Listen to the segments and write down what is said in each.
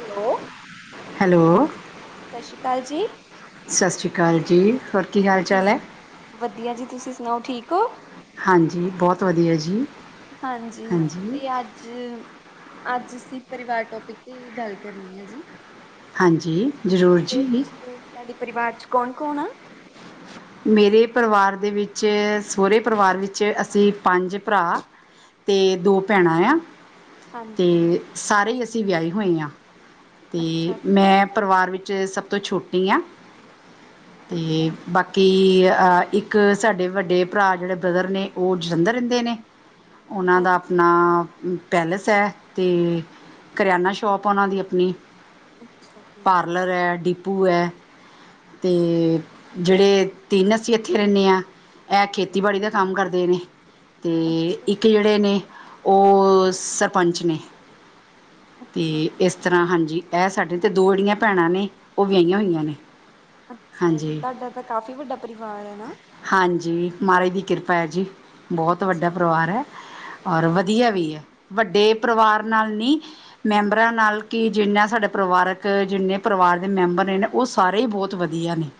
Hello, hello ਸ਼ਸ਼ੀ ਕਾਲ ਜੀ। ਸਾਸ਼੍ਰੀ ਕਾਲ ਜੀ‌ ਹੋਰ ਕੀ ਹਾਲ ਚਾਲ ਠੀਕ, ਹੈ ਵਦੀਆ ਜੀ ਤੁਸੀ ਸਨਾਓ ਠੀਕ ਓ। ਹਾਂਜੀ, ਬੋਤ ਵਦੀਆ ਜੀ, ਹਾਂਜੀ, ਹਾਂਜੀ। ਤੇ ਅੱਜ ਅੱਜ ਅਸੀ ਪਰਿਵਾਰ ਟੋਪਿਕ ਤੇਈ ਗਾਲ ਕਰਨੀ ਆ ਜੀ। ਹਾਂਜੀ। ਜ਼ਰੂਰ ਹੋਰ ਜੀ ਦੱਸੋ ਤਾਡੇ ਪਰਿਵਾਰ ਚ ਕੌਣ, ਕੌਣ ਆ? ਮੇਰੇ ਪਰਵਾਰ ਦੇ ਵਿੱਚ ਸੋਰੇ ਪਰਵਾਰ ਵਿੱਚ ਅਸੀ ਪੰਜ ਪਰਾ ਤੇ ਦੋ ਭੈਣਾਂ ਯਾ। ਤੇ ਹਾਂਜੀ, ਸਾਰੇ ਹੀ ਅਸੀ ਵਆਈ ਹੋਏ ਯਾਂ, ਤੇ ਅੱਛਾ ਜੀ। ਮੈਂ ਪਰਵਾਰ ਵਿੱਚ ਚ ਸਬ ਤੋ ਛੋਟੀ ਆ, ਅੱਛਾ ਤੇ ਜੀ, ਬਾ ਕਿ ਆ ਇੱਕ ਸਾਡੇ ਵੱਡੇ ਭਰਾ ਜੇੜੇ ਬ੍ਰਦਰ ਨੇ ਓ ਜਲੰਧਰ ਰੇਂਦੇ ਨੇ ਓਨਾ ਦਾ ਹਾਂਜੀ, ਅਪਨਾ ਪੈਲਸ ਐ, ਤੇ ਕਰਆਨਾ ਸ਼ੋਪ ਓਨਾਂ ਦੀ ਅਪਨੀ ਅੱਛਾ ਜੀ, ਪਾਰਲਰ ਐ ਡੀਪੂ ਐ, ਤੇ ਜੇੜੇ ਤੇਨ ਅਸੀ ਏਥੇ ਰੇਨੇ ਆਂ, ਐ ਖੇਤੀਬਾੜੀ ਦਾ ਕੰਮ ਕਰਦੇ ਨੇ ਤੇ ਅੱਛਾ ਇੱਕ ਜੀ, ਜੇੜੇ ਨੇ ਓ ਸਰਪੰਚ ਨੇ ਤੇ ਅੱਛਾ ਜੀ। ਏਸ ਤਰਾਂ ਹਾਂਜੀ ਐ ਸਾਡੇ ਤੇ ਦੋੜੀਆਂ ਭੈਨਾ ਨੇ, ਓ ਵਆਂਈਆਂ ਹੋਈਆਂ ਨੇ ਅੱਛਾ ਜੀ, ਹਾਂਜੀ ਤਾਡਾ ਤਾ ਕਾਫ਼ੀ ਵੱਡਾ ਪਰਿਵਾਰ ਐ। ਹਾਂਜੀ, ਮਾਰਾਜ ਦੀ ਕਿਰਪਾ ਐ ਜੀ, ਬੋਤ ਵੱਡਾ ਅੱਛਾ ਜੀ, ਪਰਵਾਰ ਐ ਓਰ ਵਦੀਆ ਹਾਂਜੀ। ਵੀ ਏ, ਵੱਡੇ ਪਰਵਾਰ ਨਾਲ ਨੀ ਮੈਂਬਰਾਂ ਨਾਲ ਕਿ ਜਿੰਨਾ ਸਾਡੇ ਪਰਵਾਰਕ ਜਿੰਨੇ ਪਰਵਾਰ ਦੇ ਮੈਂਬਰ ਨੇ ਓ ਓ ਸਾਰੇ ਹੀ ਬੋਤ ਵਦੀਆ ਨੇ,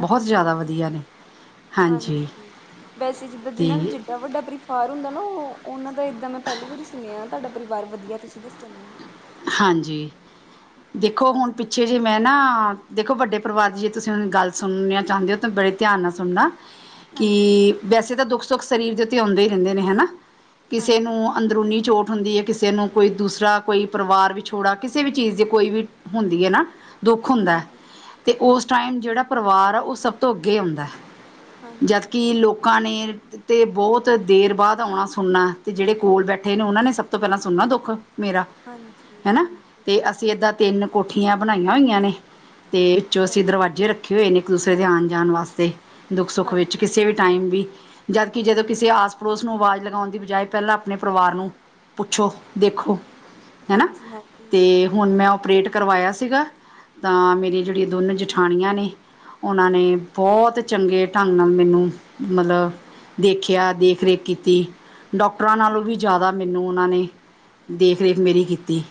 ਬੋਹਤ ਅੱਛਾ ਜੈਦਾ ਵਦੀਆ ਜੀ, ਨੇ। ਹਾਂਜੀ, ਵੈਸੇ ਜਿਦਾਂ ਜਿਨਾਂ ਦਾ ਅਤੇ ਜਿੱਦਾਂ ਵੱਡਾ ਪਰਿਵਾਰ ਹੁੰਦਾ ਨਾ ਓਹ ਓਨਾਂ ਤਾਂ ਏਦਾਂ ਮੈਂ ਪੈਲੀ ਵਾਰੀ ਸੁਣੇਆ ਤਾਡਾ ਪਰਿਵਾਰ ਵਦੀਆ ਤੁਸੀ ਦੱਸਨ ਏ ਹਾਂਜੀ, ਦੇਖੋ ਅੱਛਾ ਹੁਨ ਜੀ ਪਿੱਛੇ ਜੇ ਮੈਂ ਨਾ ਦੇਖੋ ਵੱਡੇ ਪਰਵਾਰ ਜੇ ਤੁਸੀ ਹੁਨ ਗੱਲ ਸੁਨੇਆਂ ਚਾਂਦੇ ਹੋ ਤਾਂ ਬੜੇ ਧਿਆਨ ਨਾਲ ਸੁਨਾ ਕਿ ਹਾਂਜੀ ਵੈਸੇ, ਤਾਂ ਦੁੱਖ ਸੁੱਖ ਸਰੀਰ ਦੇ ਉੱਤੇ ਆਉਂਦੇ ਹੀ ਰਹਿੰਦੇ ਨੇ ਹਨਾ? ਕਿਸੇ ਹਾਂਜੀ ਨੂੰ ਅੰਦਰੂਨੀ ਚੋਟ, ਹੁੰਦੀ ਏ ਕਿਸੇ ਨੂੰ ਕੋਈ ਦੂਸਰਾ ਕੋਈ ਪਰਿਵਾਰ ਵਿਛੋੜਾ, ਕਿਸੇ ਵੀ ਚੀਜ਼ ਦੀ ਕੋਈ ਵੀ ਹੁੰਦੀ ਏ ਨਾ ਦੁੱਖ, ਹੁੰਦਾ ਹੈ ਹਾਂਜੀ ਤੇ ਉਸ ਉਸ ਟਾਈਮ, ਜਿਹੜਾ ਪਰਿਵਾਰ ਆ ਉਹ ਸਭ ਤੋਂ ਅੱਗੇ ਆਉਂਦਾ, ਜਦ ਹਾਂਜੀ ਕਿ ਲੋਕਾਂ ਨ ਤੇ ਬਹੁਤ ਦੇਰ ਬਾਅਦ ਆਉਣਾ। ਸੁਣਨਾ ਤੇ ਜਿਹੜੇ ਕੋਲ ਬੈਠੇ ਨੇ ਉਹਨਾਂ ਨੇ, ਸਭ ਤੋਂ ਪਹਿਲਾਂ ਸੁਣਨਾ ਦੁੱਖ ਮੇਰਾ। ਹਾਂਜੀ, ਹਨਾ ਹਾਂਜੀ। ਤੇ ਅਸੀਂ ਏਦਾਂ ਤਿੰਨ, ਕੋਠੀਆਂ ਬਣਾਈਆਂ ਹੋਈਆਂ ਨੇ, ਤੇ ਵਿੱਚੋਂ ਅੱਛਾ ਅਸੀਂ, ਜੀ ਦਰਵਾਜ਼ੇ ਰੱਖੇ ਹੋਏ ਨੇ। ਇੱਕ ਦੂਸਰੇ ਦੇ ਆਣ ਜਾਣ ਵਾਸਤੇ ਦੁੱਖ ਸੁੱਖ ਵਿੱਚ ਹਾਂਜੀ ਕਿਸੇ ਵੀ ਟਾਈਮ ਵੀ ਜਦਕਿ, ਜਦੋਂ ਕਿਸੇ ਆਸ ਪੜੋਸ ਨੂੰ ਆਵਾਜ਼ ਲਗਾਉਣ ਦੀ ਬਜਾਏ, ਪਹਿਲਾਂ ਆਪਣੇ ਪਰਿਵਾਰ ਨੂੰ ਪੁੱਛੋ, ਦੇਖੋ, ਹੈਨਾ ਹਾਂਜੀ ਹਾਂਜੀ ਤੇ ਹੁਣ ਮੈਂ? ਓਪਰੇਟ, ਕਰਵਾਇਆ ਸੀਗਾ, ਤਾਂ ਮੇਰੀਆਂ ਜਿਹੜੀਆਂ ਦੋਨੇ ਜਠਾਣੀਆਂ, ਨੇ ਉਹਨਾਂ ਨੇ ਬਹੁਤ ਚੰਗੇ ਢੰਗ ਨਾਲ ਮੈਨੂੰ ਮਤਲਬ ਦੇਖਿਆ, ਦੇਖ ਰੇਖ ਕੀਤੀ। ਨੌਕਰਾ, ਨਾਲੋਂ ਵੀ ਅੱਛਾ ਜ਼ਿਆਦਾ, ਜੀ ਮੈਨੂੰ ਉਹਨਾਂ ਨੇ ਦੇਖ ਰੇਖ ਮੇਰੀ ਕੀਤੀ।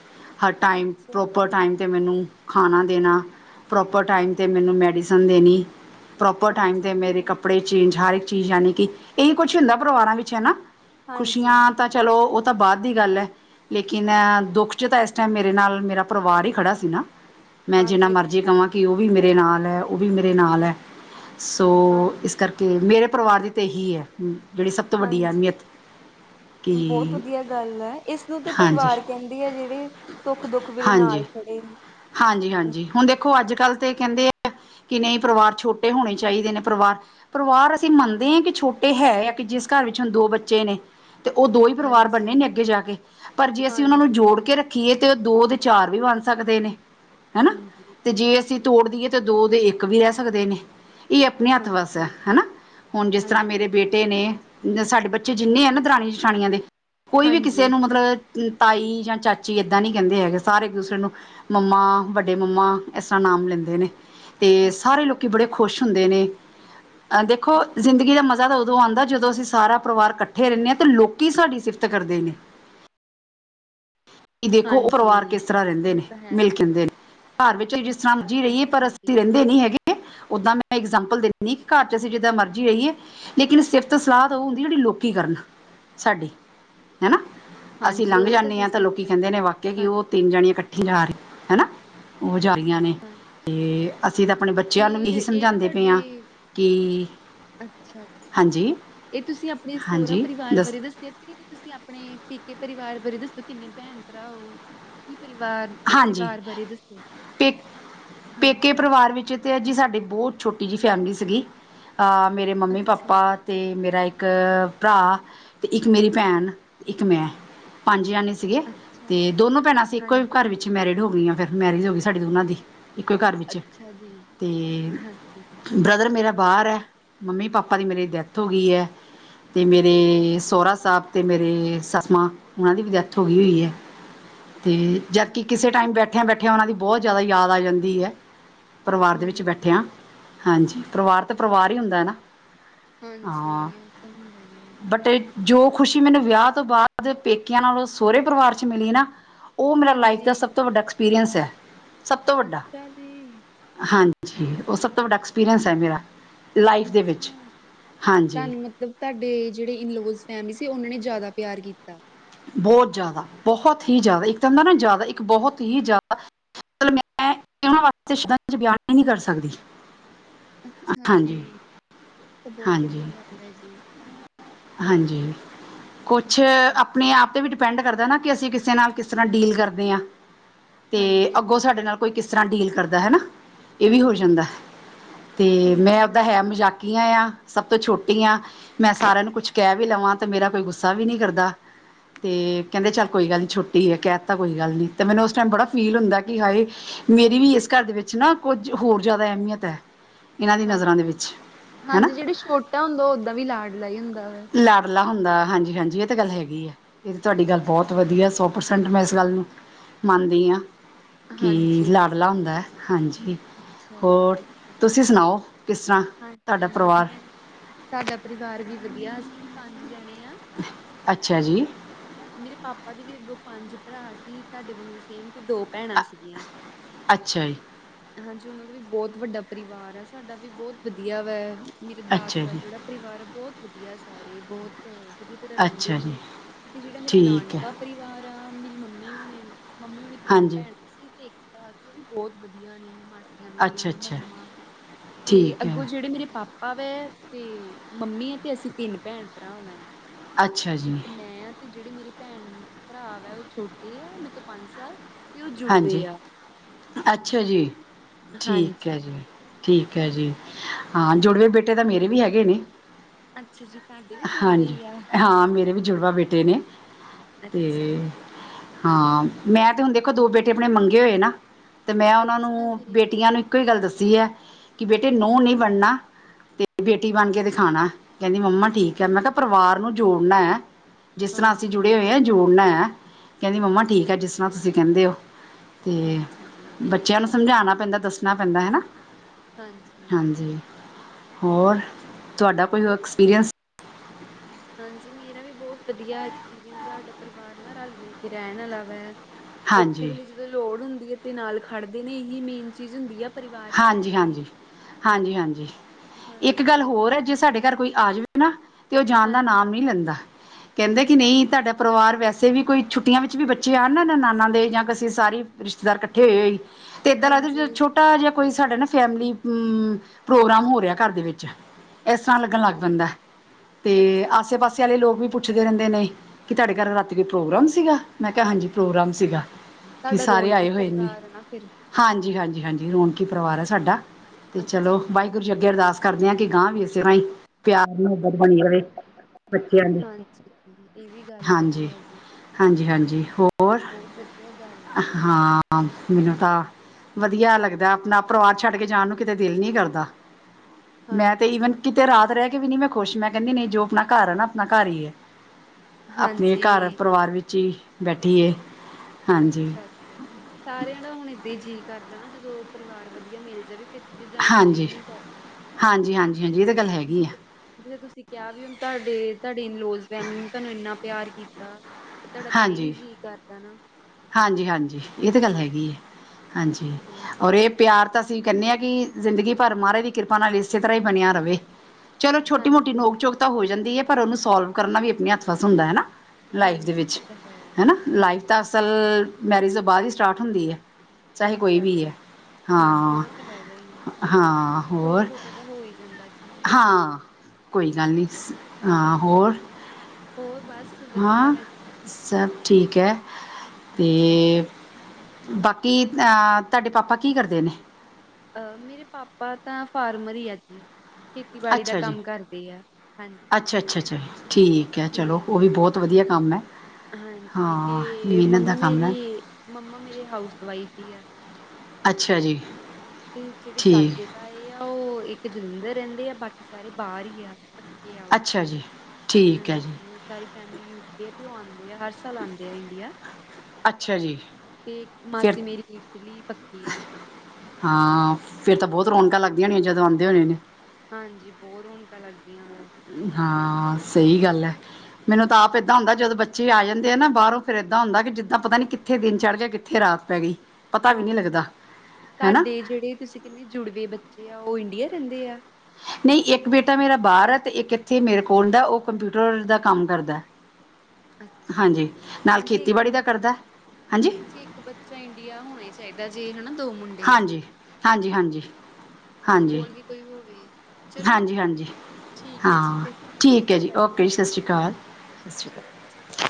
ਹਰ ਟਾਈਮ, ਅੱਛਾ ਪ੍ਰੋਪਰ ਜੀ ਟਾਈਮ 'ਤੇ ਮੈਨੂੰ ਖਾਣਾ ਦੇਣਾ, ਪ੍ਰੋਪਰ ਟਾਈਮ 'ਤੇ ਮੈਨੂੰ ਮੈਡੀਸਨ, ਦੇਣੀ ਪ੍ਰੋਪਰ ਟਾਈਮ, ਦੇ ਅੱਛਾ ਮੇਰੇ ਜੀ ਕੱਪੜੇ, ਚੇਂਜ ਹਰ ਇੱਕ ਚੀਜ਼ ਆਣੀ, ਕਿ ਏ ਕੁਝ ਅਲੱਗ ਪਰਿਵਾਰਾਂ, ਵਿੱਚ ਹੈ ਨਾ। ਹਾਂਜੀ ਖ਼ੁਸ਼ੀਆਂ, ਤਾਂ ਚਲੋ ਉਹ ਤਾਂ ਬਾਅਦ ਦੀ ਗੱਲ ਹੈ। ਲੇਕਿਨ ਦੁੱਖ ਚ ਤਾਂ, ਇਸ ਟਾਈਮ, ਮੇਰੇ ਨਾਲ ਮੇਰਾ ਪਰਿਵਾਰ ਹੀ ਖੜਾ ਸੀ ਨਾ। ਮੈਂ, ਜਿੰਨਾ ਹਾਂਜੀ ਇਹ ਤਾਂ ਮਰਜ਼ੀ ਕਹਾਂ, ਬਹੁਤ ਕਿ ਉਹ ਵੀ ਵਧੀਆ ਗੱਲ 'ਮੇਰੇ ਨਾਲ ਹੈ ਉਹ ਵੀ 'ਮੇਰੇ ਨਾਲ ਹੈ। ਸੋ ਹਾਂਜੀ ਇਸ ਕਰਕੇ ਮੇਰੇ ਪਰਿਵਾਰ ਦੀ, ਤਾਂ ਇਹੀ ਹੈ? ਜਿਹੜੀ ਸਭ ਤੋਂ ਵੱਡੀ ਹਾਂਜੀ ਅਹਿਮੀਅਤ, ਕਿ ਬਹੁਤ ਵਧੀਆ ਗੱਲ ਹੈ ਇਸਨੂੰ ਤੇ ਹਾਂਜੀ। ਪਰਿਵਾਰ ਕਹਿੰਦੇ ਆ ਜਿਹੜੇ ਸੁੱਖ ਦੁੱਖ ਵੇਲੇ ਹਾਂਜੀ, ਨਾਲ ਖੜੇ ਹਾਜੀ--ਹਾਂਜੀ ਹੁਣ ਅੱਛਾ ਦੇਖੋ ਅੱਜ ਜੀ ਕੱਲ੍ਹ ਤੇ ਕਹਿੰਦੇ ਆ ਕਿ ਨਹੀਂ ਪਰਿਵਾਰ ਛੋਟੇ ਹੋਣੇ ਚਾਹੀਦੇ ਨੇ, ਪਰਿਵਾਰ ਪਰਿਵਾਰ ਅਸੀਂ ਮੰਨਦੇ ਅਂ ਕਿ ਛੋਟੇ ਹੈ ਕਿ, ਜਿਸ ਘਰ ਵਿੱਚ, ਹੁਣ ਦੋ ਬੱਚੇ ਨੇ ਤੇ ਉਹ ਦੋ ਹੀ ਪਰਿਵਾਰ ਹਾਂਜੀ ਬੰਨਣੇ ਨੇ, ਅੱਗੇ ਜਾ ਕੇ ਪਰ ਜੇ ਅਸੀਂ, ਉਹਨਾਂ ਨੂੰ ਹਾਂਜੀ ਜੋੜ ਕੇ ਰੱਖੀਏ ਤੇ ਉਹ ਦੋ ਦੇ ਚਾਰ ਵੀ ਬਣ ਸਕਦੇ ਨੇ। ਹਨਾ ਹਾਂਜੀ ਤੇ ਜੇ ਅਸੀਂ ਤੋੜ ਦੀਈਏ ਤੇ ਦੋ ਦੇ ਇੱਕ। ਓ ਵੀ ਰਹਿ ਸਕਦੇ ਨੇ, ਇਹ ਆਪਣੇ ਹੱਥ ਵੱਸ ਹਾਂਜੀ ਹਨਾ। ਹੁਣ ਜਿਸ ਤਰ੍ਹਾਂ ਹਾਂਜੀ ਮੇਰੇ ਬੇਟੇ ਨੇ, ਸਾਡੇ ਬੱਚੇ ਅੱਛਾ ਜਿੰਨੇ ਆ ਨਾ ਜੀ ਦਰਾਨੀਆਂ, ਜਠਾਣੀਆਂ, ਦੇ ਕੋਈ ਵੀ, ਕਿਸੇ ਹਾਂਜੀ ਨੂੰ ਮਤਲਬ ਤਾਈ ਨਾ ਚਾਚੀ ਇੱਦਾਂ ਨਹੀਂ ਕਹਿੰਦੇ ਹੈਗੇ, ਸਾਰੇ ਇੱਕ ਦੂਸਰੇ ਨੂੰ ਮੰਮਾ, ਵੱਡੇ ਮੰਮਾ, ਇਸ ਤਰ੍ਹਾਂ ਨਾਮ ਲੈਂਦੇ ਨੇ। ਤੇ ਸਾਰੇ ਅੱਛਾ ਲੋਕੀ, ਬੜੇ ਜੀ ਖੁਸ਼ ਹੁੰਦੇ ਨੇ ਐ ਦੇਖੋ, ਜ਼ਿੰਦਗੀ ਦਾ ਮਾ ਨਜਰ ਉਦੋਂ ਆਉਂਦਾ ਜਦੋਂ, ਅਸੀ ਸਾਰਾ ਪਰਿਵਾਰ ਇਕੱਠੇ ਰਹਿੰਦੇ, ਆਂ ਤੇ ਲੋਕੀ ਸਾਡੀ ਸਿਫਤ, ਕਰਦੇ ਨੇ। ਤੇ ਦੇਖੋ, ਉਹ ਹਾਂਜੀ ਪਰਿਵਾਰ ਕਿਸ ਤਰ੍ਹਾਂ ਰਹਿੰਦੇ ਇਹ ਨੇ, ਤਾਂ ਹੈ ਮਿਲ ਕੇ ਰਹਿੰਦੇ ਨੇ, ਘਰ ਵਿੱਚ ਸਮਜ਼ ਕੇ ਰਹੀਏ, ਪਰ ਅੱਛਾ ਅਸੀਂ ਜੀ ਰਹਿੰਦੇ ਨਈ, ਹੈਗੇ ਓਦਾਂ, ਮੈਂ ਇਗਜਾਮਪਲ ਦੇਂਨੀ,, ਘਰ 'ਚ ਅਸੀਂ ਜਿੱਦਾਂ ਮਰਜ਼ੀ ਰਹੀਏ, ਲੇਕਿਨ ਸਿਫਤ ਸਲਾਹ ਤਾਂ ਉਹ ਹੁੰਦੀ, ਜਿਹੜੀ ਲੋਕੀ ਕਰਨ। ਸਾਡੀ ਹਨਾ, ਅਸੀਂ ਹਾਂਜੀ ਲੰਘ ਉਹ ਜਾਂਦੇ ਤੁਸੀਂ ਹਾਂ ਤਾਂ, ਲੋਕੀ ਸਿੱਖਿਆ ਕਹਿੰਦੇ ਨੇ ਵਾਕਿਆ ਕਿ ਹਾਂਜੀ ਉਹ ਤਿੰਨ ਜਾਣੇ ਇਕੱਠੀ ਜਾਰੀ ਹਨਾ, ਹੋ ਜਾਏ। ਹਾਂਜੀ ਤੇ ਅਸੀਂ ਤਾਂ, ਆਪਣੇ ਬੱਚਿਆਂ ਨੂੰ ਵੀ ਇਹੀ ਤੇ ਇਹ ਤੇ ਸਮਝਾਉਂਦੇ ਪਏ ਤੁਹਾਡੇ ਹਾਂ, ਕਿ ਅੱਛਾ। ਹਾਂਜੀ ਇਹ ਤੁਸੀਂ, ਆਪਣੇ ਸੋਹਰਾ ਹਾਂਜੀ ਪਰਿਵਾਰ ਦੱਸ ਬਾਰੇ ਦੱਸਿਆ, ਤੇ ਤੁਸੀਂ ਆਪਣੇ ਪੈਕੇ ਪਰਿਵਾਰ ਇੱਕ ਵਾਰੀ, ਦੱਸੋ ਕਿੰਨੇ ਭੈਣ ਭਰਾ ਉ? ਹਾਂਜੀ, ਪੇ ਪੇਕੇ ਹਾਂਜੀ ਪਰਿਵਾਰ ਵਿੱਚ, ਤੇ ਹੈ ਜੀ ਸਾਡੇ ਬਹੁਤ ਛੋਟੀ ਜਿਹੀ ਫੈਮਿਲੀ ਸੀਗੀ, ਮੇਰੇ ਅੱਛਾ ਮੰਮੀ--ਪਾਪਾ ਜੀ ਅਤੇ, ਮੇਰਾ ਇੱਕ ਇੱਕ ਭਰਾ, ਇਕ ਮੇਰੀ ਭੈਣ, ਇਕ ਮੈਂ, ਪੰਜ ਚਿਆ, ਅੱਛਾ ਤੇ ਜੀ ਦੋਨੋ ਭੈਣਾਂ ਸੀ ਹਾਂ ਇੱਕੋ ਘਰ ਵਿੱਚ ਮੈਰਿਡ ਹੋ ਗਈਆਂ, ਫਿਰ ਮੈਰਿਜ ਹੋ ਗਈ, ਸਾਡੀ ਦੋਨਾਂ ਦੀ ਇੱਕੋ ਘਰ ਵਿੱਚ, ਅੱਛਾ ਜੀ ਅਤੇ ਹਾਂਜੀ ਬ੍ਰਦਰ ਮੇਰਾ ਬਾਹਰ ਹੈ ਮੰਮੀ--ਪਾਪਾ ਮੇਰੇ ਦੀ ਡੈਥ ਹੋ ਗਈ ਹੈ, ਤੇ ਮੇਰੇ ਅੱਛਾ ਜੀ ਸੋਹਰਾ ਸਾਹਿਬ ਤੇ ਮੇਰੇ ਸੱਸ ਮਾਂ ਉਹਨਾਂ ਦੀ ਵੀ ਡੈਥ ਹੋ ਗਈ ਹੋਈ ਐ, ਤੇ ਅੱਛਾ ਜੀ ਕਿਸੇ ਟਾਈਮ ਬੈਠਿਆਂ ਬੈਠਿਆਂ ਉਹਨਾਂ ਦੀ ਬਹੁਤ ਜ਼ਿਆਦਾ ਯਾਦ ਆ ਜਾਂਦੀ ਐ। ਪਰਿਵਾਰ ਦੇ ਵਿੱਚ ਬੈਠੇਆ, ਹਾਂਜੀ ਹਾਂਜੀ, ਪਰਵਾਰ ਤੇ ਪਰਵਾਰ ਹੀ ਹੁੰਦਾ ਹੈ ਨਾ। ਹਾਂ ਹਾਂਜੀ, ਉਹ ਤਾਂ ਹੁੰਦਾ ਈ ਆਂ। ਬਟ ਜੋ ਖੁਸ਼ੀ ਮੈਨੂੰ ਵਿਆਹ ਤੋਂ ਬਾਦ ਪੇਕਿਆਂ ਨਾਲੋਂ ਸੋਹੁਰੇ ਪਰਿਵਾਰ ਚ ਮਿਲੀ ਨਾ ਉਹ ਮੇਰਾ ਲਾਈਫ ਦਾ ਹਾਂਜੀ ਸਭ ਤੋਂ ਵੱਡਾ ਐਕਸਪੀਰੀਅੰਸ ਹੈ ਸਭ ਤੋਂ ਵੱਡਾ, ਅੱਛਾ ਜੀ ਹਾਂਜੀ। ਜੀ, ਉਹ ਸਭ ਤੋਂ ਵੱਡਾ ਐਕਸਪੀਰੀਅੰਸ ਹੈ ਮੇਰਾ। ਲਾਈਫ ਦੇ ਵਿੱਚ ਅੱਛਾ, ਹਾਂਜੀ ਤੁਹਾਨੂੰ ਮਤਲਬ ਤੁਹਾਡੇ ਜਿਹੜੇ ਇਨ ਲਾਜ਼ ਫੈਮਿਲੀ ਸੀ ਗੀ ਉਹਨਾਂ ਨੇ ਜ਼ਿਆਦਾ ਪਿਆਰ ਕੀਤਾ। ਬਹੁਤ ਜਾਦਾ, ਬਹੁਤ ਹੀ ਜਾਦਾ, ਇੱਕ ਤਾਂ ਹੁੰਦਾ ਨਾ ਜਾਦਾ ਇੱਕ ਬਹੁਤ ਹੀ ਜਾਦਾ ਵਾਸਤੇ ਸ਼ਬਦਾਂ ਚ ਬਿਆਨ ਨਹੀਂ ਕਰ ਸਕਦੀ। ਅੱਛਾ ਹਾਂਜੀ ਜੀ, ਤਾਂ ਬਹੁਤ ਹਾਂਜੀ ਵਧੀਆ ਗੱਲ ਹੈ ਜੀ। ਹਾਂਜੀ ਕੁਛ ਅੱਛਾ ਆਪਣੇ ਆਪ ਤੇ ਵੀ ਡਿਪੈਂਡ ਕਰਦਾ ਨਾ ਕਿ ਅਸੀਂ ਕਿਸੇ ਨਾਲ ਕਿਸ ਰਾ ਡੀਲ ਕਰਦੇ ਹਾਂ। ਤੇ ਹਾਂਜੀ ਅੱਗੋਂ ਸਾਡੇ ਨਾਲ ਕੋਈ ਕਿਸ ਤਰ੍ਹਾਂ ਡੀਲ ਕਰਦਾ ਹੈਨਾ। ਇਹ ਵੀ ਹੋ ਜਾਂਦਾ ਹਾਂਜੀ-ਹਾਂਜੀ ਤੇ ਇਹ ਤਾਂ ਮੈਂ ਉਹਦਾ ਹੈ ਮਜ਼ਾਕੀਆਂ ਆ ਸਭ ਤੋਂ ਛੋਟੀ ਆ, ਮੈਂ ਸਾਰਿਆਂ ਨੂੰ ਕੁਛ ਕਹਿ ਵੀ ਲਵਾਂ ਤੇ ਮੇਰਾ ਕੋਈ ਗੁੱਸਾ ਵੀ ਨਹੀਂ ਕਰਦਾ। ਤੇ ਕਹਿੰਦੇ ਚੱਲ ਹਾਂਜੀ ਕੋਈ ਗੱਲ ਨ ਛੋਟੀ ਏ, ਕਹਿ ਤਾ ਕੋਈ ਗੱਲ ਨੀ, ਤੇ ਮੈਨੂੰ ਉਸ ਟਾਈਮ ਬੜਾ ਫੀਲ ਹੁੰਦਾ ਕਿ ਹਾਏ ਮੇਰੀ ਵੀ ਇਸ ਕਾਰ ਦੇ ਵਿੱਚ ਨਾ ਕੁੱਝ ਹੋਰ ਜਾਦਾ ਅਹਿਮੀਅਤ ਹੈ ਇਹਨਾਂ ਦੀ ਹਾਂ ਨਜ਼ਰਾਂ ਦੇ ਵਿੱਚ। ਹਨਾ ਹਾਂਜੀ, ਜਿਹੜਾ ਛੋਟਾ ਹੁੰਦਾ ਉਹ ਓਦਾਂ ਵੀ ਲਾਡਲਾ ਹੀ ਹੁੰਦਾ ਵਾ। ਦਾ ਹਾਂਜੀ, ਹਾਂਜੀ ਇਹ ਤਾਂ ਗੱਲ ਹੈਗੀ ਹੈ ਇਹ ਤੇ ਤੁਹਾਡੀ ਗੱਲ ਬਹੁਤ ਵਧੀਆ ਸਭ ਪਰਸੈਂਟ ਮੈਂ ਇਸ ਗੱਲ ਨੂੰ ਮੰਨਦੀ ਹਾਂ ਕਿ ਹਾਂਜੀ ਲਾਡਲਾ ਹੁੰਦਾ, ਹਾਂਜੀ। ਅੱਛਾ ਹੋਰ ਜੀ। ਤੁਸੀਂ ਸੁਣਾਓ? ਕਿਸ ਤਰ੍ਹਾਂ ਤੁਹਾਡਾ ਹਾਂਜੀ, ਪਰਿਵਾਰ ਮੈਂ ਸਾਡਾ ਪਰਿਵਾਰ ਵੀ ਵਧੀਆ ਅਸੀ ਵੀ ਪੰਜ ਜਣੇ ਆ ਅੱਛਾ ਜੀ। ਮੇਰੇ ਪਾਪਾ ਦੇ ਵੀ ਅੱਗੋਂ ਪੰਜ ਭਰਾ ਸੀ, ਤੁਹਾਡੇ ਵਾਂਗੂ ਸੇਮ ਤੇ ਦੋ ਪੈਣਾਂ ਸੀਗੀਆਂ। ਅੱਛਾ ਜੀ। ਹਾਂਜੀ, ਉਹਨਾਂ ਦਾ ਵੀ ਬਹੁਤ ਵੱਡਾ ਪਰਿਵਾਰ ਹੈ, ਸਾਡਾ ਵੀ ਬਹੁਤ ਵਧੀਆ ਵਾ ਮੇਰੇ ਅੱਛਾ ਦਾਦਾ ਜੀ ਜਿਹੜਾ ਪਰਿਵਾਰ ਆ ਬਹੁਤ ਵਧੀਆ ਸਾਰੇ ਬਹੁਤ ਵਧੀਆ ਤਰ੍ਹਾਂ ਰਹਿੰਦੇ ਅੱਛਾ ਜੀ ਨੇ। ਤੇ ਜਿਹੜਾ ਮੇਰਾ ਠੀਕ ਹੈ ਨਾਨਕਾ ਪਰਿਵਾਰ ਆ ਮੇਰੀ ਮੰਮੀ ਹੋਣੇ ਮੰਮੀ ਹੋਣੇ ਤਿੰਨ ਹਾਂਜੀ ਪੈਣ ਸੀ ਤੇ ਇਕ ਪਰਾ ਸੀ, ਉਹ ਵੀ ਬਹੁਤ ਵਧੀਆ ਨੇ ਮਾ ਮਾਸੀਆਂ ਅੱਛਾ ਮੇਰੀਆਂ ਅੱਛਾ ਮਮਾ ਤੇ ਠੀਕ ਹੈ ਅੱਗੋਂ ਜਿਹੜੇ ਮੇਰੇ ਪਾਪਾ ਪਾ ਵੈ ਤੇ ਮੰਮੀ ਹੈ ਤੇ ਅਸੀਂ ਤਿੰਨ ਪੈਣ ਪਰਾਵਾਂ ਅੱਛਾ ਜੀ। ਤੇ ਜਿਹੜੇ ਮੇਰੀ ਪੈਣ ਪਰਾ ਵ ਉਹ ਛੋਟੇ ਆ ਮੇਰੇ ਤੋਂ ਪੰਜ ਸਾਲ। ਤੇ ਉਹ ਹਾਂਜੀ, ਜੁੜਵੇ ਆ ਅੱਛਾ ਜੀ। ਠੀਕ ਹਾਂਜੀ। ਹੈ ਜੀ ਠੀਕ ਹੈ ਜੀ, ਹਾਂ ਜੁੜਵੇ ਬੇਟੇ ਤਾਂ ਮੇਰੇ ਵੀ ਹੈਗੇ ਨੇ। ਅੱਛਾ ਜੀ ਤੁਹਾਡੇ ਵੀ ਜੁੜਵੇ ਹਾਂਜੀ, ਹੀ ਆ ਹਾਂ, ਮੇਰੇ ਵੀ ਜੁੜਵਾ ਬੇਟੇ ਨੇ। ਤੇ ਅੱਛਾ ਹਾਂ ਮੈਂ ਤੇ ਹੁਣ ਦੇਖੋ ਦੋ ਬੇਟੇ ਆਪਣੇ ਮੰਗੇ ਹੋਏ ਨਾ। ਤੇ ਮੈਂ ਉਹਨਾਂ ਅੱਛਾ ਨੂੰ ਜੀ ਬੇਟੀਆਂ ਨੂੰ ਇੱਕੋ ਹੀ ਗੱਲ ਦੱਸੀ ਹੈ ਕਿ ਬੇਟੇ ਨੂੰਹ ਨਹੀਂ ਬਣਨਾ ਤੇ ਬੇਟੀ ਬਣ ਕੇ ਦਿਖਾਣਾ, ਕਹਿੰਦੀ ਮੰਮਾ ਠੀਕ ਹੈ, ਮੈਂ ਕਿਹਾ ਪਰਿਵਾਰ ਨੂੰ ਜੋੜਨਾ ਐ। ਜਿਸ ਤਰ੍ਹਾਂ ਅਸੀਂ ਜੁੜੇ ਹਾਂਜੀ ਹੋਏ ਹਾਂ, ਜੋੜਨਾ ਐ। ਕਹਿੰਦੀ ਮੰਮਾ ਹਾਂ- ਠੀਕ ਹੈ, ਜਿਸ ਰਾ ਤੁਸੀਂ ਕਹਿੰਦੇ ਹੋ। ਤੇ ਹਾਂਜੀ ਇਹ ਬੱਚਿਆਂ ਤਾਂ ਨੂੰ ਹੈਗਾ ਹੀ ਸਮਝਾਣਾ ਹੈ। ਪੈਂਦਾ ਦੱਸਣਾ ਪੈਂਦਾ ਹੈ ਨਾ। ਹਾਂਜੀ। ਹੋਰ ਤੁਹਾਡਾ ਕੋਈ ਹੋਰ ਐਕਸਪੀਰੀਅੰਸ। ਹਾਂਜੀ, ਮੇਰਾ ਵੀ ਬਹੁਤ ਵਧੀਆ ਐਕਸਪੀਰੀਅੰਸ ਸਾਡਾ ਪਰਿਵਾਰ ਨਾ ਰਲ ਮਿਲ ਕੇ ਰਹਿਣ ਵਾਲਾ ਵਾ ਔਖੇ ਹਾਂਜੀ ਵੇਲੇ ਜਦੋਂ ਲੋੜ ਹੁੰਦੀ ਐ ਤੇ ਨਾਲ ਖੜਦੇ ਨੇ ਇਹੀ ਮੇਨ ਚੀਜ਼ ਹੁੰਦੀ ਆ। ਪਰਿਵਾਰ ਚ ਹਾਂਜੀ, ਰਹਿਣ ਦੀ ਹਾਂਜੀ, ਹਾਂਜੀ, ਹਾਂਜੀ, ਇੱਕ ਗੱਲ ਹਾਂਜੀ ਹੋਰ ਹੈ ਜੇ ਸਾਡੇ ਘਰ ਕੋਈ ਆ ਜਾਵੇ ਤੇ ਉਹ ਜਾਣ ਦਾ ਹਾਂਜੀ ਨਾਮ ਨੀ ਲੈਂਦਾ, ਕਹਿੰਦੇ ਕਿ ਅੱਛਾ ਨਹੀਂ ਜੀ ਤੁਹਾਡਾ ਪਰਿਵਾਰ ਵੈਸੇ ਸੇ ਵੀ ਕੋਈ ਛੁੱਟੀਆਂ ਵਿੱਚ ਵੀ ਬੱਚੇ ਆਣ ਨਾ ਨਨਾਨਾਂ ਦੇ ਜਾਂ ਕਿਸਸੀ ਸਾਰੇ ਰਿਸ਼ਤੇਦਾਰ ਇਕੱਠੇ ਹੋਏ ਹੋਈ ਤੇ ਇਧਰ ਆਧ ਹਾਂਜੀ ਛੋਟਾ ਜਹਾ ਕੋਈ ਸਾਡਾ ਨਾ ਫੈਮਲੀ ਪ੍ਰੋਗਰਾਮ ਹੋ ਰਿਹਾ ਕਾਰ ਦੇ ਵਿੱਚ। ਇਸ ਤਰ੍ਹਾਂ ਲਗਣ ਅੱਛਾ ਲਗ ਜੀ ਪੈਦਾ ਅੱਛਾ ਆਸੇ ਅੱਛਾ ਪਾਸੇ ਵੀ ਲੋਕ ਵੀ ਪੁੱਛ ਰਹਿੰਦੇ ਨੇ ਕਿ ਤੁਹਾਡੇ ਕਾਰ ਰਾਤੀ ਕੋਈ ਪ੍ਰੋਗਰਾਮ ਸੀਗਾ। ਮੈਂ ਕਿਹਾ ਹਾਂਜੀ ਪ੍ਰੋਗਰਾਮ ਅੱਛਾ, ਸੀਗਾ ਕਿ ਤੁਹਾਡਾ ਸਾਰੇ ਰੌਣਕੀ ਆਏ ਹੋਏ ਨੇ ਪਰਿਵਾਰ ਏ ਨਾ ਫਿਰ। ਹਾਂਜੀ, ਹਾਂਜੀ, ਹਾਂਜੀ, ਰੌਣਕੀ ਪਰਿਵਾਰ ਹੈ ਸਾਡਾ, ਤੇ ਚਲੋ ਵਾਹਿਗੁਰੂ ਜੀ ਅੱਗੇ ਅਰਦਾਸ ਕਰਦੇ ਹਾਂ। ਗਾਂਹ ਵੀ ਇਸ ਤਰ੍ਹਾਂ ਹੀ ਪਿਆਰ ਮੋਹਬਤ ਬਣਿਆ ਰੇ। ਹਾਂਜੀ, ਇਹ ਵੀ ਗੱਲ ਹੈਗੀ ਹਾਂਜੀ ਆ ਜੀ। ਹਾਂਜੀ, ਹਾਂਜੀ, ਹੋਰ ਬਹੁਤ ਵਧੀਆ ਗੱਲ ਆ ਜੀ ਹਾਂ ਮੈਨੂੰ ਤਾਂ ਵਧੀਆ ਲੱਗਦਾ ਆਪਣਾ ਪਰਿਵਾਰ ਛੱਡ ਕੇ ਜਾਣ ਨੂੰ ਕਿਤੇ ਦਿਲ ਨੀ ਕਰਦਾ। ਮੈਂ ਤੇ ਹਾਂਜੀ ਈਵਨ ਕਿਤੇ ਰਾਤ ਰਹਿ ਕੇ ਵੀ ਨੀ ਮੈਂ ਖੁਸ਼, ਮੈਂ ਕਹਿਣੀ ਨਹੀਂ ਜੋ ਆਪਣਾ ਕਾਰ ਆ ਨਾ ਆਪਣਾ ਕਾਰ ਹੀ ਐ। ਆਪਣੇ ਹਾਂਜੀ ਘਰ ਪਰਿਵਾਰ ਵਿੱਚ ਹੀ ਬੈਠੀਏ। ਹਾਂਜੀ ਅੱਛਾ ਜੀ, ਸਾਰਿਆਂ ਦਾ ਹੁਣ ਏਦਾਂ ਹੀ ਜੀਅ ਕਰਦਾ ਨਾ ਜਦੋਂ ਪਰਿਵਾਰ ਵਧੀਆ ਮਿਲ ਜਵੇ ਫਿਰ ਕਿਤੇ ਜਾਣ ਨੂੰ ਹਾਂਜੀ ਜੀਅ ਨਹੀਂ ਕਰਦਾ। ਹਾਂਜੀ ਹਾਂਜੀ, ਹਾਂਜੀ ਏ ਤਾ ਗੱਲ ਹੈ। ਜ ਜਿੱਦ ਤੁਸੀਂ ਕਿਹਾ ਵੀ ਹਣ ਤੁਹਾਡੇ ਤੁਹਾਡੀ ਇਨਲੋਜ਼ ਫੈਮਿਲੀ ਨੂੰ ਤੁਹਾਨੂੰ ਇੰਨਾ ਪਿਆਰ ਕੀਤ ਤੇ ਤੁਹਾਡਾ ਤਾਂ ਹੀ ਨੀ ਹਾਂਜੀ ਜੀਅ ਕਰਦਾ ਨਾ। ਹਾਂਜੀ, ਹਾਂਜੀ, ਇਹ ਤੇ ਗੱਲ ਹੈਗੀ ਐ, ਹਾਂਜੀ, ਔਰ ਹਾਂਜੀ। ਇਹ ਪਿਆਰ ਤਾਂ ਅਸੀਂ ਕਹਿੰਣੇ ਹਾਂ ਕਿ ਜ਼ਿੰਦਗੀ ਪਾਰ ਮਹਾਰਾਜ ਦੀ ਕਿਰਪਾ ਨਾਲ ਇਸੇ ਤਰ੍ਹਾਂ ਹੀ ਬਣਿਆ ਰਹੇ। ਚਲੋ ਛੋਟੀ ਮੋਟੀ ਨੋਕ ਹਾਂਜੀ, ਚੋਕ ਤਾਂ ਹੋ ਜਾਂਦੀ ਐ, ਪਰ ਉਹਨੂੰ ਸੋਲਵ ਕਰਨਾ ਵੀ ਆਪਣੀ ਹੱਥ ਵਸ ਹੁੰਦਾ ਹੈ ਨਾ। ਲਾਈਫ ਦੇ ਹਾਂਜੀ ਵਿੱਚ, ਉਹ ਤਾਂ ਹੈ ਹੇਨਾ ਲਾਈਫ ਤਾਂ ਹਾਂਜੀ ਅਸਲ ਮੈਰਿਜ ਤੋਂ ਬਾਅਦ ਹੀ ਸਟਾਰਟ ਹੁੰਦੀ ਐ। ਅੱਛਾ ਜੀ। ਹਾਂਜੀ ਹਾਂ, ਉਹ ਤਾਂ ਹੈਗਾ ਹੀ ਆ ਹਾਂ, ਥੋੜਾ ਹੋਰ ਬਹੁਤਾ ਤਾਂ ਹੋ ਹੀ ਜਾਂਦਾ ਜੀ ਹਾਂ। ਕੋਈ ਗੱਲ ਨਹੀਂ, ਸ ਹਾਂ ਹੋਰ? ਹੋਰ ਬਸ ਵਧੀਆ ਹਾਂ ਵਾ ਸਭ ਠੀਕ ਹੈ ਅੱਛਾ ਜੀ ਅਤੇ ਬਾਕੀ ਅਹ ਤੁਹਾਡੇ ਪਾਪਾ ਕੀ ਕਰਦੇ ਨੇ? ਅਹ ਮੇਰੇ ਪਾਪਾ ਤਾਂ ਫਾਰਮਰ ਹੀ ਆ ਜੀ ਖੇਤੀਬਾੜੀ ਦਾ ਅੱਛਾ ਜੀ, ਕੰਮ ਕਰਦੇ ਆ ਹਾਂਜੀ। ਅੱਛਾ, ਅੱਛਾ, ਅੱਛਾ, ਠੀਕ ਹੈ ਚਲੋ, ਤੇ ਉਹ ਵੀ ਬੋਤ ਵਧੀਆ ਕੰਮ ਹੈ। ਹਾਂਜੀ, ਹਾਂ ਤੇ ਮਿਹਨਤ ਮੰਮੀ ਦਾ ਕੰਮ ਹੈ ਮੇਰੀ ਮੰਮਾ ਮੇਰੇ ਹਾਊਸਵਾਈਫ ਹੀ ਆ। ਅੱਛਾ ਜੀ। ਤੇ ਜਿਹੜੇ ਠੀਕ ਚਾਚੇ ਤਾਏ ਆ ਉਹ ਇੱਕ ਜਲੰਧਰ ਰਹਿੰਦੇ ਆ ਬਾਕੀ ਸਾਰੇ ਬਾਹਰ ਹੀ ਆ। ਪੱਕੇ ਆ ਉਹ ਅੱਛਾ ਜੀ, ਠੀਕ ਹੈ ਜੀ। ਹਾਂਜੀ ਉਹ ਸਾਰੀ ਫੈਮਿਲੀ ਯੂਕੇ ਹੈ, ਤੇ ਉਹ ਆਂਦੇ ਆ ਹਰ ਸਾਲ ਆਂਦੇ ਆ ਇੰਡੀਆ। ਅੱਛਾ ਜੀ ਤੇ ਫਿਰ ਮਾਸੀ ਮੇਰੀ ਇਟਲੀ ਪੱਕੀ ਆ। ਹਾਂ, ਫਿਰ ਤਾਂ ਬਹੁਤ ਰੌਣਕਾਂ ਲੱਗਦੀਆਂ ਹੋਣੀਆਂ ਜਦੋਂ ਆਂਦੇ ਹੋਣੇ ਨੇ। ਹਾਂਜੀ, ਬੋਹ ਰੋਣਕਾਂ ਲੱਗਦੀਆਂ ਵਾ। ਹਾਂ, ਸਹੀ ਗੱਲ ਐ। ਮੈਨੂੰ ਤਾਂ ਆਪ ਏਦਾਂ ਹੁੰਦਾ ਜਦੋਂ ਬੱਚੇ ਆ ਜਾਂਦੇ ਆ ਨਾ ਬਾਹਰੋਂ ਫੇ ਏਦਾਂ ਹੁੰਦਾ ਕਿ ਜਿੱਦਾਂ ਪਤਾ ਨ ਕਿੱਥੇ ਦਿਨ ਚੜ੍ਹ ਗਿਆ ਕਿੱਥੇ ਰਾ ਤ ਪੈ ਗਈ। ਪਤਾ ਵੀ ਨਹੀਂ ਹਾਂਜੀ ਲੱਗਦਾ ਹੈ ਨਾ ਤੁਹਾਡੇ ਜਿਹੜੇ ਤੁਸੀਂ ਕਹਿੰਦੇ ਜੁੜਵੇ ਬੱਚੇ ਆ ਉਹ ਡੀਆ ਰਹਿੰਦੇ ਆ। ਨਹੀਂ ਇੱਕ ਬੇਟਾ ਮੇਰਾ ਬਾਹਰ ਆ ਤੇ ਇੱਕ ਇੱਥੇ ਮੇਰੇ ਕੋਲ ਦਾ ਉਹ ਕੰਪਿਊਟਰ ਦਾ ਕੰਮ ਕਰਦਾ। ਅੱਛਾ, ਹਾਂਜੀ ਨਾਲ ਹਾਂਜੀ, ਇੱਕ ਖੇਤੀਬਾੜੀ ਦਾ ਨੂੰ ਕਰਦਾ ਹਾਂਜੀ, ਇੱਕ ਬੱਚਾ ਇੰਡੀਆ ਹੋਣਾ ਹੀ ਚਾਹੀਦਾ ਜੇ ਹਨਾ। ਦੋ ਮੁੰਡੇ ਆ। ਹਾਂਜੀ ਹਾਂਜੀ ਹਾਂਜੀ ਹਾਂਜੀ ਕੋਲ ਵੀ ਕੋਈ ਹੋਵੇ ਚਲੋ ਹਾਂਜੀ ਹਾਂਜੀ ਠੀਕ ਹੈ ਜੀ ਹਾਂ ਫਿਰ ਠੀਕ ਹੈ ਜੀ ਓਕੇ ਜੀ ਸਤਿ ਸ਼੍ਰੀ ਅਕਾਲ ਅਿ ਜੀ ਸ਼੍ਰੀਕਕਾਲ